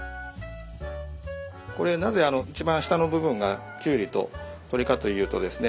これなぜ一番下の部分がきゅうりと鶏かというとですね